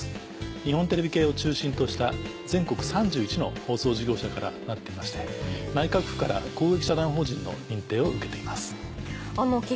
日本テレビ系を中心とした全国３１の放送事業者からなっていまして内閣府から公益社団法人の認定を受けています。